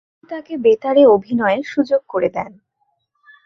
তিনি তাকে বেতারে অভিনয়ের সুযোগ করে দেন।